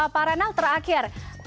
pak renal terakhir